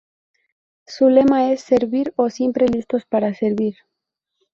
Su lema es "Servir" o "Siempre listos para servir".